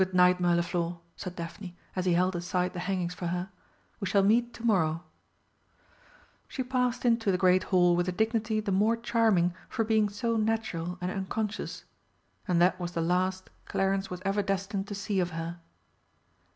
"Good night, Mirliflor," said Daphne, as he held aside the hangings for her. "We shall meet to morrow." She passed into the great Hall with a dignity the more charming for being so natural and unconscious and that was the last Clarence was ever destined to see of her.